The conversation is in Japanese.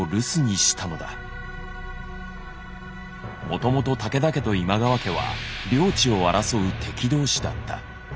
もともと武田家と今川家は領地を争う敵同士だった。